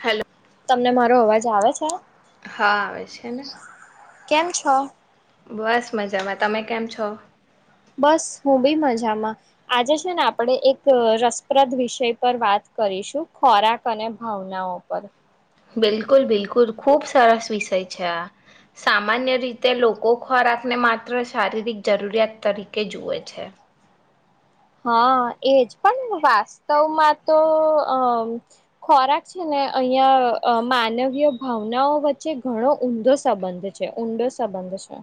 Hello તમને મારી અવાજ આવે છે? હા આવે છે ને કેમ છો? બસ મજામાં, તમે કેમ છો? બસ હું બી મજામાં આજે છે, ને આપણે એક રસપ્રદ વિષય પર વાત કરીશું ખોરાક અને ભાવનાઓ પર બિલકુલ બિલકુલ ખુબ સરસ વિષય છે, આ સામાન્ય રીતે લોકો ખોરાકને માત્ર શારીરિક જરૂરિયાત તરીકે જુએ છે. હા એજ પણ વાસ્તવમાં તો અ ખોરાક છે, ને અહં માનવીય ભાવનાઓ વચ્ચે ઘણો ઊંધો સંબંધ છે ઊંડો સંબંધ છે.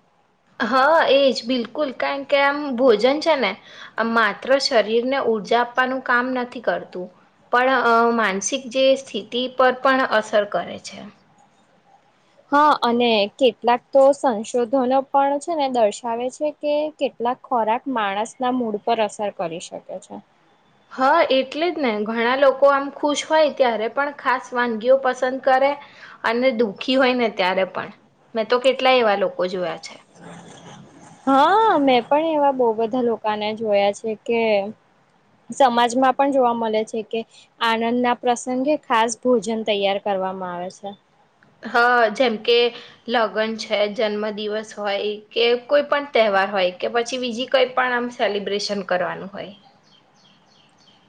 હા એજ બિલકુલ કારણ કે આમ ભોજન છે, ને આ માત્ર શરીરને ઉઊર્જા આપવાનું કામ નથી કરતું પણ માનસિક જે સ્થિતિ પર પણ અસર કરે છે. હા અને કેટલાક તો સંશોધનો પણ છે ને દર્શાવે છે, કે કેટલાક ખોરાક માણસના મૂડ પર અસર કરી શકે છે. હા એટલે જ ને ઘણા લોકો આમ ખુશ હોય ત્યારે પણ ખાસ વાનગીઓ પસંદ કરે અને દુઃખી હોય ને ત્યારે પણ મેં તો કેટલા એવા લોકો જોયા છે. હા, મેં પણ એવા બહ બધા લોકોને જોયા છે, કે સમાજમાં પણ જોવા મળે છે કે આનંદ ના પ્રસંગે ખાસ ભોજન તૈયાર કરવામાં આવે છે. હા જેમ કે લગ્ન છે, જન્મ દિવસ હોય કે કોઈ પણ તહેવાર હોય કે પછી બીજી કઈ પણ આમ સેલિબ્રેશન કરવાનું હોય,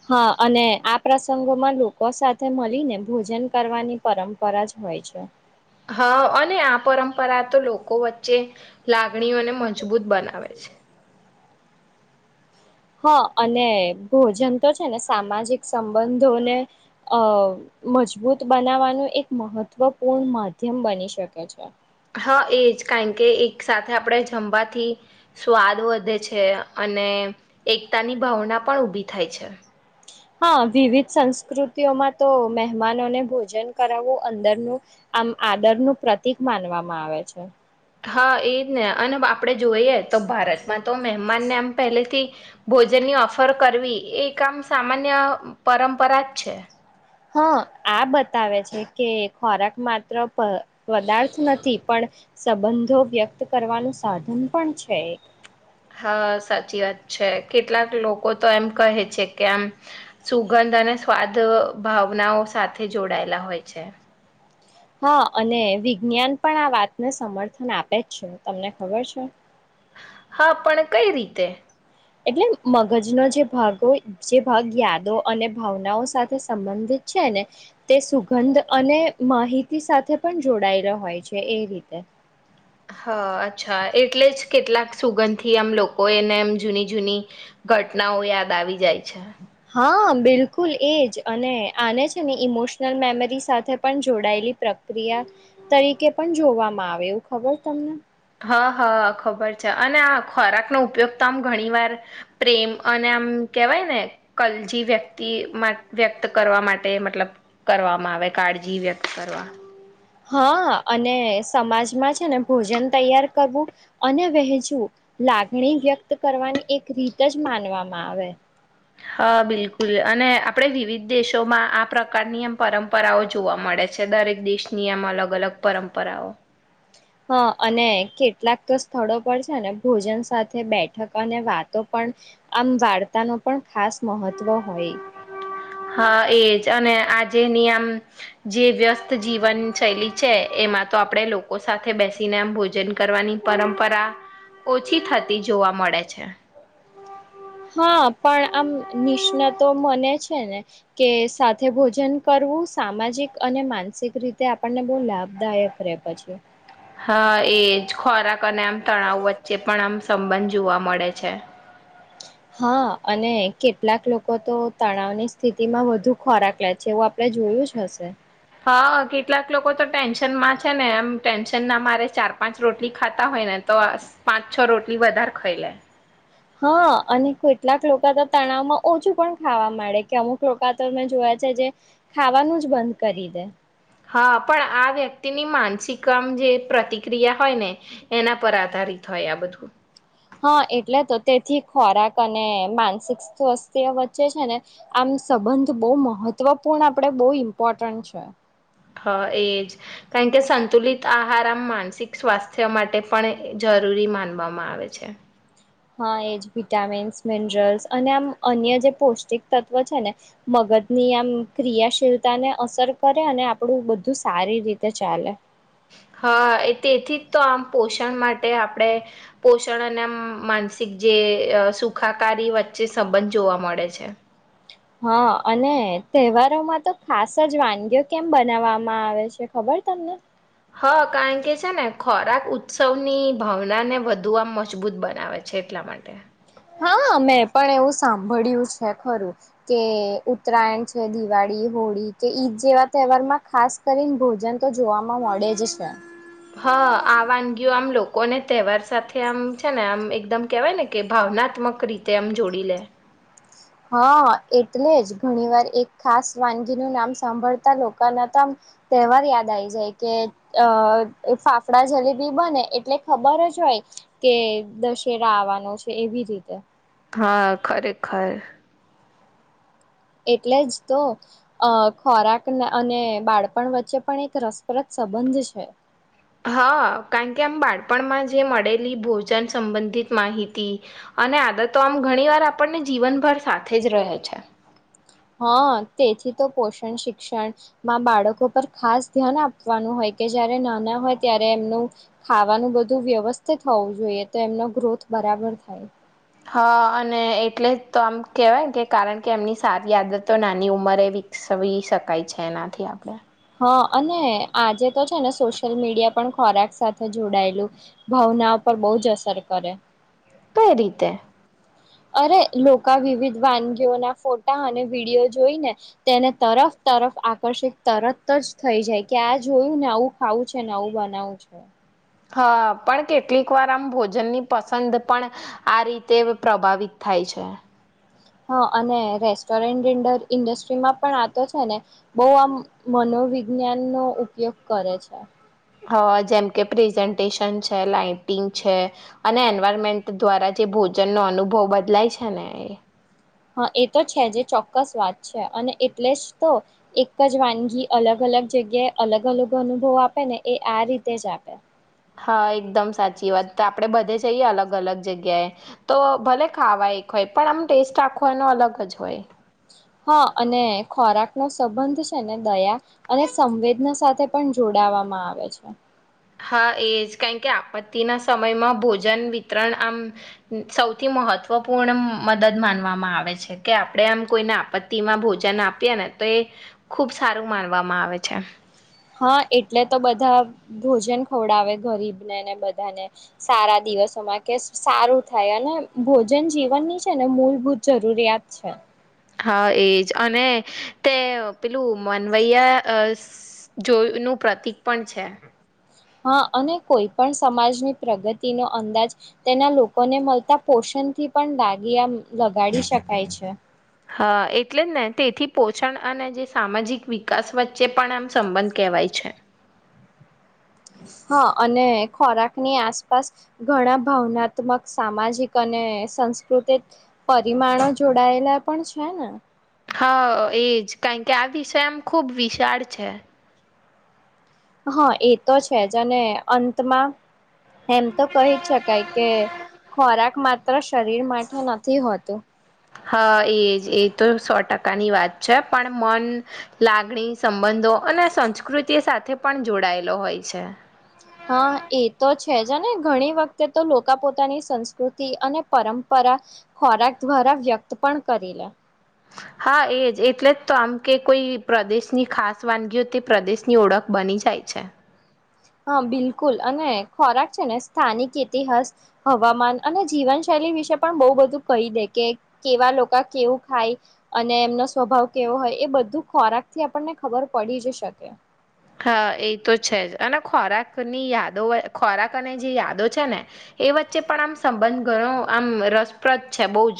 હા, અને આ પ્રસંગોમાં લોકો સાથે મળીને ભોજન કરવાની પરંપરા જ હોય છે. હા, અને આ પરંપરા તો લોકો વચ્ચે લાગણીઓ અને મજબૂત બનાવે છે. હા, અને ભોજન તો છે ને સામાજિક સંબંધોને અ મજબૂત બનાવવાનું એક મહત્વપૂર્ણ માધ્યમ બની શકે છે. તો એજ કારણ કે એક સાથે આપણે જમવાથી સ્વાદ વધે છે, અને એકતાની ભાવના પણ ઉભી થાય છે. હા, વિવિધ સંસ્કૃતિઓમાં તો મહેમાનોને ભોજન કરાવવું અંદરનું આમ આદર નું પ્રતિક માનવામાં આવે છે. હા, એજ ને અને બાપ આપણે જોઈએ તો ભારતમાં તો મહેમાનને આમ પહેલેથી ભોજનની ઓફર કરવી એ એક આમ સામાન્ય પરંપરા જ છે. હા, આ બતાવે છે કે ખોરાક માત્ર પદાર્થ નથી પણ સંબંધો વ્યક્ત કરવાનું સાધન પણ છે. હા, સાચી વાત છે કેટલાક લોકો તો એમ કહે છે કે આમ સુગંધ અને સ્વાદ ભાવનાઓ સાથે જોડાયેલા હોય છે. હા, અને વિજ્ઞાન પણ આ વાતને સમર્થન આપે જ છે તમને ખબર છે. હા પણ કઈ રીતે? એટલે મગજનો જે ભાગો જે ભાગ યાદો અને ભાવનાઓ સાથે સંબંધિત છે, ને તે સુગંધ અને માહિતી સાથે પણ જોડાયેલો હોય છે, એ રીતે હ અચ્છા એટલે જ કેટલાક સુગંધ થી આમ લોકો એને એમ જૂની જૂની ઘટનાઓ યાદ આવી જાય છે. હા, બિલકુલ એજ અને આને છે ને ઇમોશનલ મેમરી સાથે પણ જોડાયેલી પ્રક્રિયા તરીકે પણ જોવામાં આવે એવું ખબર તમને હા હા ખબર છે અને આ ખોરાકનોો ઉપયોગ તો આમ ઘણી વાર પ્રેમ અને આમ કેહેવાય ને કલજી વ્યક્તિ વ્યક્ત કરવા માટે મતલબ કરવામાં આવે કાળજી વ્યક્ત કરવા હા, અને સમાજમાં છે ને ભોજન તૈયાર કરવું અને વહેંચવું લાગણી વ્યક્ત કરવાની એક રીત જ માનવામાં આવે. હા, બિલકુલ અને આપણે વિવિધ દેશોમાં આ પ્રકારની આમ પરંપરાઓ જોવા મળે છે દરેક દેશની આમ અલગ અલગ પરંપરાઓ. હા, અને કેટલાક તો સ્થળો પર છે ને ભોજન સાથે બેઠક અને વાતો પણ આમ વાર્તા ન પણ ખાસ મહત્વ હોય. હા, એજ અને આજેની આમ જે વ્યસ્ત જીવન શૈલી છે, એમાં તો આપણે લોકો સાથે બેસીને આમ ભોજન કરવાની પરંપરા ઓછી થતી જોવા મળે છે. હા, પણ આમ નિષ્ણાતો મને છે ને કે સાથે ભોજન કરવું સામાજિક અને માનસિક રીતે આપણને બહુ લાભદાયક રે પછી હા, એજ ખોરાક અને આમ તણાવ વચ્ચે પણ આમ સંબંધ જોવા મળે છે. હા, અને કેટલાક લોકો તો તણાવની સ્થિતિમાં વધુ ખોરાક લે છે એવું આપે જોયું જ હશે. હા, કેટલાક લોકો તો ટેન્શન માં છે ને એમ ટેન્શન ના મારે ચાર પાંચ રોટલી ખાતા હોય ને તો પાંચ છ રોટલી વધારે ખાઈ લે હા, અને કેટલાક લોકો તો તણાવમાં ઓછું પણ ખાવા માંડે કે અમુક લોકો તો મેં જોયા છે, જે ખાવાનું જ બંધ કરી દે હા, પણ આ વ્યક્તિની માનસિકમ જે પ્રતિક્રિયા હોય ને એના પર આધારિત હોય આ બધું. હા, એટલે તો તેથી ખોરાક અને માનસિક સ્વાસ્થ્ય વચ્ચે છે ને આમ સંબંધ બહુ મહત્વપૂર્ણ આપણેે બહુ ઇમ્પોર્ટન્ટ છે. હા, એજ કારણ કે સંતુલિત આહાર આમ માનસિક સ્વાસ્થ્ય માટે પણ જરૂરી માનવામાં આવે છે. હા, એજ વિટામિન્સ મિનરલ્સ અને આમ અન્ય જે પૌષ્ટિક તત્વ છે ને મગજની આમ ક્રિયાશીલતા ને અસર કરે અને આપણું બધું સારી રીતે ચાલે. હા, એ તેથી જ તો આમ પોષણ માટે આપણે પોષણ અને આમ માનસિક જે સુખાકારી વચ્ચે સંબંધ જોવા મળે છે. હા અને તહેવારોમાં તો ખાસ જ વાનગીઓ કેમ બનાવવામાં આવે છે ખબર તમને? હા કારણ કે છે ને ખોરાક ઉત્સવની ભાવના ને વધુ આમ મજબૂત બનાવે છે એટલા માટે. હા મેં પણ એવું સાંભળ્યું છે ખરું કે ઉતરાયણ છે દિવાળી હોળી કે ઈદ જેવા તહેવારમાં ખાસ કરીને ભોજન તો જોવાવામાં મળે જ છે. હા આ વાનગીયો આમ લોકોને તહેવાર સાથે આમ છે ને આમ એકદમ કેવાય ને કે ભાવનાત્મક રીતે આમ જોડી લે. હા એટલે જ ઘણી વાર એક ખાસ વાનગીનું નામ સાંભળતા લોકોના તો તહેવાર યાદ આવીઈ જાય કે અ ફાફડા જલેબી બને એટલે ખબર જ હોય કે દશેરા આવવાનો છે એવી રીતે. હા ખરેખર. એટલે જ તો અ ખોરાક અને બાળપણ વચ્ચે પણ એક રસપ્રદ સંબંધ છે. હા કારણ કે આમ બાળપણમાં જે મળેલી ભોજન સંબંધિત માહિતી અને આદતો આમ ઘણી વાર આપણને જીવનભર સાથે જ રહે છે. હા તેથી તો પોષણ શિક્ષણમાં બાળકો પર ખાસ ધ્યાન આપવાનું હોય કે જયારે નાના હોય ત્યારે એમનું ખાવાનું બધું વ્યવસ્થિત થવું જોઈએ તો એમનો ગ્રોથ બરાબર થાય. હા અને એટલે તો આમ કેહેવાય કે કારણ કે એમની સારી આદત તો નાની ઉંમરે વિકસાવ શકાય છે એનાથી આપણે. હ અને આજે તો છે ને સોશિયલ મીડિયા પણ ખોરાક સાથે જોડાયેલું ભાવના પર બહુ જ અસર કરે. કઈ રીતે અરે લોકો વિવિધ વાનગીઓના ફોટા અને વિડીયો જોઈને તેને તરફ તરફ આકર્ષિત તરત જ થઈ જાય કે આ જોયું ને આવું ખાવું છે ને આવું બનાવું છે. હા પણ કેટલીક વાર આમ ભોજનની પસંદ પણ આ રીતે પ્રભાવિત થાય છે. હા અને રેસ્ટોરન્ટન્ડર ઇન્ડસ્ટ્રીમાં પણ આતો છે ને બહ આમ મનોવિજ્ઞાનનો ઉપયોગ કરે છે. હ જેમ કે પ્રેઝન્ટેશન છે લાાઈટિંગ છે અને એન્વારમેન્ટ દ્વારા જે ભોજનનો અનુભવ બદલાય છે ને એ. હા એ તો છે જે ચોક્કસ વાત છે અને એટલે જ તો એક જ વાનગી અલગ-અલગ જગ્યાએ અલગ-અલગ અનુભવ આપે ને એ આ રીતે જ આપે. હા એકદમ સાચી વાત આપડે બધે જઈએ અલગ અલગ જગ્યાએ તો ભલે ખાવા એક હોય પણ આમ ટેસ્ટ આખો એનો અલગ જ હોય. હા અને ખોરાક નો સંબંધ છે ને દયા અને સંવેદના સાથે પણ જોડાવામાં આવે છે. હા એ જ કણ કે આપત્તિના સમયમાં ભોજન વિતરણ આમ સૌથી મહત્વપૂર્ણ મદદ માનવામાં આવે છે કે આપણે આમ કોઈને આપત્તિમાં ભોજન આપીએ ને તો એ ખૂબ સારું માનવામાં આવે છે. હા એટલે તો બધા ભોજન ખવડાવે ગરીબને ને બધાને સારા દિવસોમાં કે સારું થાય અને ભોજન જીવનની છે ને મૂળભૂત જરૂરિયાત છે. હા એજ અને તે પેલું મનવૈયા જોનું પ્રતિક પણ છે. હા અને કોઈ પણ સમાજની પ્રગતિનો અંદાજ તેના લોકોને મળતા પોષણથી પણ દાગ લગાડી શકાય છે. હા એટલે જ ને તેથી પોષણ અને જે સામાજિક વિકાસ વચ્ચે પણ આમ સંબંધ કહેવાય છે. હા અને ખોરાકની આસપાસ ઘણા ભાવનાત્મક સામાજિક અને સંસ્કૃતિક પરિમાણો જોડાયેલા પણ છે ને. હા એજ કારણ કે આ વિષય આમ ખુબ વિશાળ છે. હા એ તો છે જ અને અંતમાં એમ તો કહી જ શકાય કે ખોરાક મા [unintelligible] હા એજ એ તો સો ટકા [unintelligible] કાની વાત છે પણ મન લાગણી સંબંધો અને સંસ્કૃતિ સાથે પણ જોડાયેલો હોય છે. હા એ તો છે જ ઘણી વખતે તો લોકા પોતાની સંસ્કૃતિ અને પરંપરા ખોરાક દ્વારા વ્યક્ત પણ કરી લે. હા એજ એટલે જ તો આમ કે કોઈ પ્રદેશની ખાસ વાનગી હો તે પ્રદેશની ઓળખ બની જાય છે. હા બિલકુલ અને ખોરાક છે ને સ્થાનિક ઇતિહાસ હવામાન અને જીવનશૈલી વિશે પણ બહુ બધું કહી દે કે કેવા લોકો કેવું ખાય અને એમનો સ્વભાવ કેવો હોય એ બધું ખોરાક થી આપણને ખબર પડી જ શકે. હા એ તો છે જ અને ખોરાકની યાદો ખોરાક અને જે યાદો છે ને એ વચ્ચે પણ આમ સંબંધ ઘણો આમ રસપ્રદ છે બહુ જ.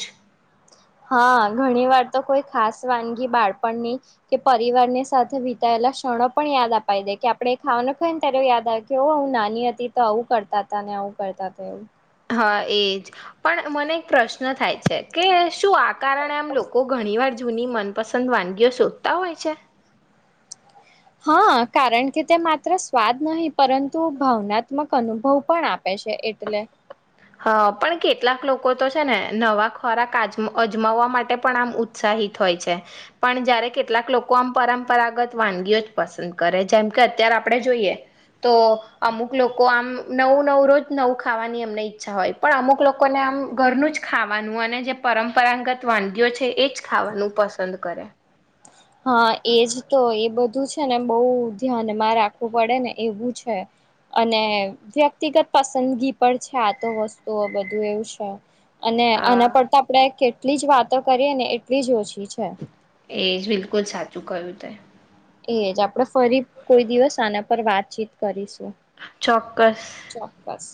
હા ઘણી વાર તો કોઈ ખાસ વાનગી બાળપણની કે પરિવારની સાથે વિતાયેલા ક્ષણો પણ યાદ અપાઈ દે કે આપડે ખાવાને ખ ને ત્યારે યાદ આવે કેું નાની હતી તો આવું કરતા હતા આવું કરતા હતા એવું. હા એજ પણ મને એક પ્રશ્ન થાય છે કે શું કારણે આમ લોકો ઘણી વાર જૂની મનપસંદ વાનગીઓ શોધતા હોય છે? હા કારણ કે તે માત્ર સ્વાદ નહીં પરંતુ ભાવનાત્મક અનુભવ પણ આપે છે એટલે હા પણ કેટલાક લોકો તો છે ને નવા ખોરાક અજમાવવા માટે પણ આમ ઉત્સાહિત હોય છે પણ જયારે કેટલાક લોકો આમ પરંપરાગત વાનગીઓ જ પસંદ કરે જેમ કે અત્યારે આપડે જોઈએ તો અમુક લોકો આમ નવું-નવું રોજ નવું ખાવાની અમને અચ્છા હોય પણ અમુક લોકોને આમ ઘરનું જ ખાવાનું અને જે પરંપરાગત વાનગીઓ છે એ જ ખાવાનું પસંદ કરે. હા એજ તો એ બધું છે ને બહુ ધ્યાનમાં રાખવું પડે ને એવું છે અને વ્યક્તિગત પસંદગી પણ છે આ તો વસ્તુઓ બધું એવું છે. અને હા આના પર તો આપડે એટલી જ વાતો કરીએ ને એટલી જ ઓછી. છે એજ બિલકુલ. જ સાચું કહ્યું તે એજ આપણેે ફરી કોઈ દિવસ આના પર વાતચીત કરીશું ચોક્કસ ચોક્કસ